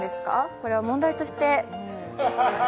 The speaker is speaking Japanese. これは問題として？